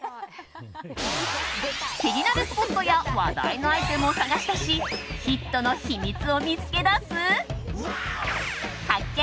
気になるスポットや話題のアイテムを探し出しヒットの秘密を見つけ出す発見！